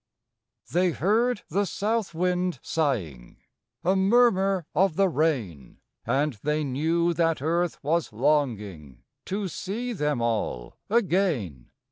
They heard the South wind sighing A murmur of the rain; And they knew that Earth was longing To see them all again.